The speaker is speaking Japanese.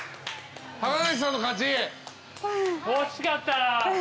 惜しかった。